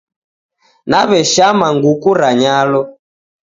Naweshama nguku ra nyalo